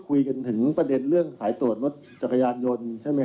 คุยกันถึงประเด็นเรื่องสายตรวจรถจักรยานยนต์ใช่ไหม